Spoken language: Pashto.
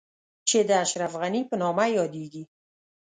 چې د اشرف غني په نامه يادېږي.